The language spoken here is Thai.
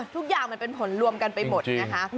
ทุกอย่างมันเป็นผลรวมกันไปหมดนะคะ